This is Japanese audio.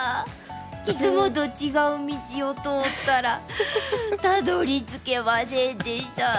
いつもと違う道を通ったらたどりつけませんでした。